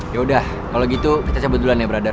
yaudah kalo gitu kita cabut duluan ya brother